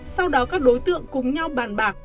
sau đó các đối tượng cùng nhau bàn bạc